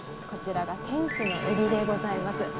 こちらが天使の海老でございます。